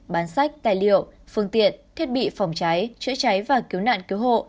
bán sách tài liệu phương tiện thiết bị phòng cháy chữa cháy và cứu nạn cứu hộ